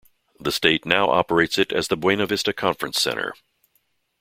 The state now operates it as the Buena Vista Conference Center.